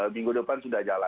minggu depan sudah jalan